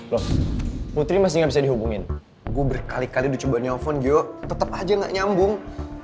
lo putri masih gak bisa dihubungin gue berkali kali dicoba nyelepon gio tetep aja gak nyambung